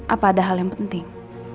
apa ada hal yang penting